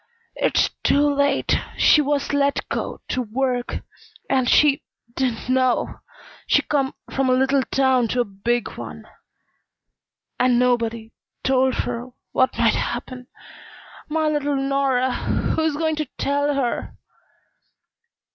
It's too late. She was let go to work and she didn't know. She come from a little town to a big one. And nobody told her what might happen. My little Nora who's going to tell her?"